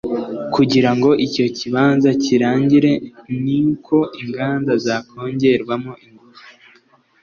Kugira ngo icyo kibazo kirangire ni uko inganda zakongerwamo ingufu